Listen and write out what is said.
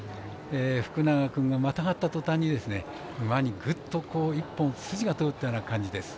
福永君がまたがったとたんに、馬にぐっと一本、筋が通った感じです。